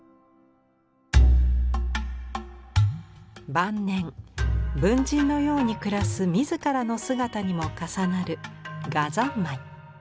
晩年文人のように暮らす自らの姿にも重なる「画三昧」。